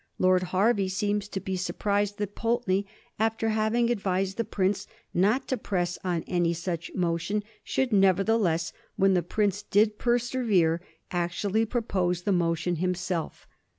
Lord Hervey seems to be sur prised that Pulteney, after having advised the prince not to press on any such motion, should, nevertheless, when the prince did persevere, actually propose the motion him self.